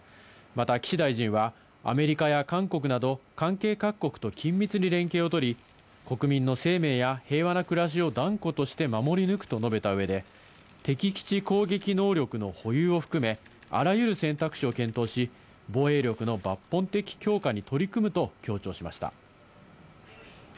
また岸大臣は、アメリカや韓国など関係各国と緊密に連携をとり、国民の生命や平和な暮らしを断固として守り抜くと述べた上で、敵基地攻撃能力の保有を含め、あらゆる選択肢を検討し、防衛力の抜本的強化に取り組むと強調しました。